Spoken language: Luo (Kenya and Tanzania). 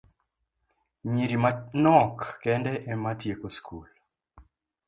Nyiri manok kende ema tieko skul